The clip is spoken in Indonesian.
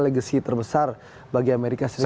legacy terbesar bagi amerika serikat